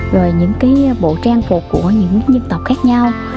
rồi những cái bộ trang phục của những dân tộc khác nhau